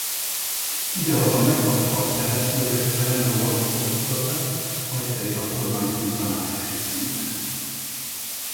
Idehaza megkapta a Ferenc József-rend lovagi fokozatát majd pedig a kormányfőtanácsosi címet.